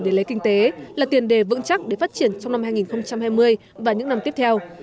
để lấy kinh tế là tiền đề vững chắc để phát triển trong năm hai nghìn hai mươi và những năm tiếp theo